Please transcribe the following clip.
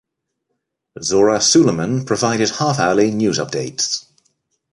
Zora Suleman provided half-hourly news updates.